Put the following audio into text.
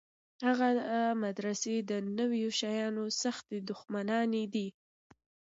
هغه مدرسې د نویو شیانو سختې دښمنانې دي.